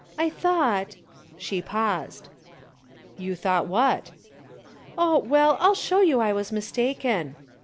"I thought " she paused. "You thought what?" "Oh, well, I'll show you I was mistaken."